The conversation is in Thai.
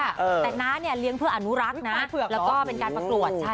แต่น้าเนี่ยเลี้ยงเพื่ออนุรักษ์นะแล้วก็เป็นการประกวดใช่